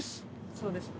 そうですね。